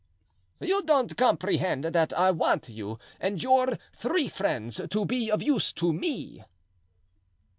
"You don't comprehend that I want you and your three friends to be of use to me?"